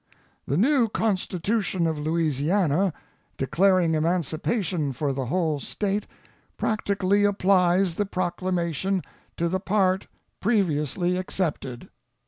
The new constitution of Louisiana, declaring emancipation for the whole State, practically applies the Proclamation to the part previously excepted.